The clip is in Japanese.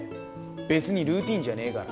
別にルーティーンじゃねえから。